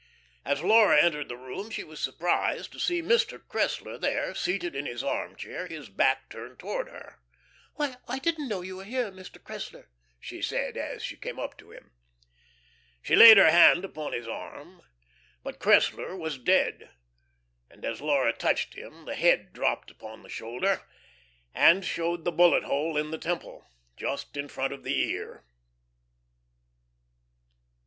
As Laura entered the room she was surprised to see Mr. Cressler there, seated in his armchair, his back turned toward her. "Why, I didn't know you were here, Mr. Cressler," she said, as she came up to him. She laid her hand upon his arm. But Cressler was dead; and as Laura touched him the head dropped upon the shoulder and showed the bullet hole in the temple, just in front of the ear.